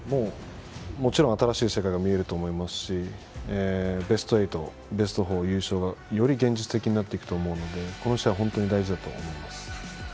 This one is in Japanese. もちろん新しい世界が見えると思いますしベスト８、ベスト４、優勝が現実的になると思うのでこの試合は本当に大事だと思います。